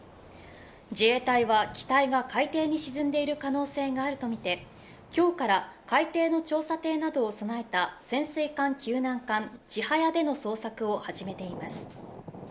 自衛隊は機体が海底に沈んでいる可能性があるとみて今日から海底の調査艇などを備えた潜水艦救難艦「ちはや」での捜索を始めています。